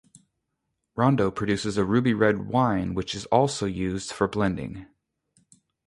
Rondo produces a ruby-red wine which is also used for blending.